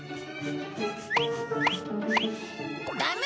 ダメ。